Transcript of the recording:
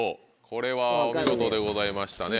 これはお見事でございましたね。